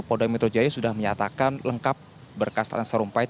polda metro jaya sudah menyatakan lengkap berkas ratna sarumpait